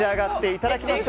いただきます。